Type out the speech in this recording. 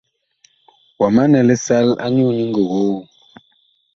Wa manɛ lisal anyuu nyi ngogoo ?